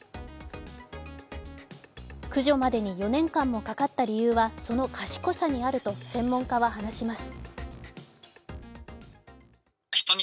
駆除までに４年間もかかった理由はその賢さにあると専門家は話します。